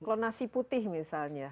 kalau nasi putih misalnya